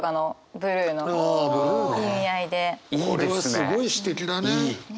これはすごい詩的だね！